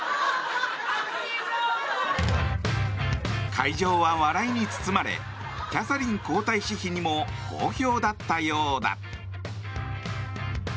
会場は笑いに包まれキャサリン皇太子妃にも好評だったようだ。